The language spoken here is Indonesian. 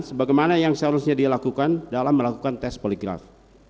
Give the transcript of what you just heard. sebagaimana yang seharusnya dilakukan dalam melakukan tes poligraf